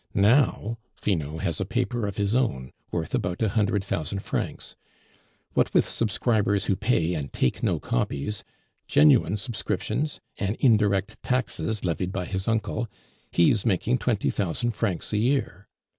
Now, Finot has a paper of his own, worth about a hundred thousand francs. What with subscribers who pay and take no copies, genuine subscriptions, and indirect taxes levied by his uncle, he is making twenty thousand francs a year.